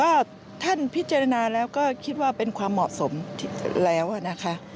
ก็ท่านพิจารณาแล้วก็คิดว่าเป็นความเหมาะสมแล้วนะคะ